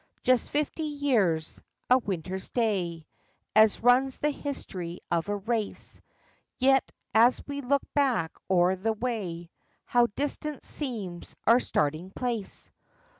Just fifty years a winter's day As runs the history of a race; Yet, as we look back o'er the way, How distant seems our starting place!